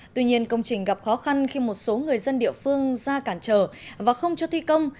tuy nhiên công trình gặp khó khăn khi một số người dân địa phương ra cản trở và không cho thi công